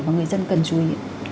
mà người dân cần chú ý